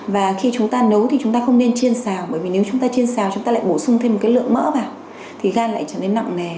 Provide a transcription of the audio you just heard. và khi chúng ta nấu thì chúng ta không nên chiên xào bởi vì nếu chúng ta trên xào chúng ta lại bổ sung thêm một cái lượng mỡ vào thì gan lại trở nên nặng nề